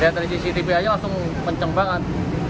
lihat dari cctv aja langsung kencang banget